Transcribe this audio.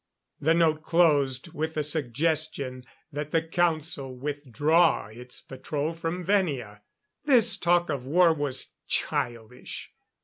The note closed with the suggestion that the Council withdraw its patrol from Venia. This talk of war was childish.